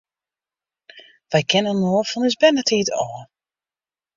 Wy kenne inoar fan ús bernetiid ôf.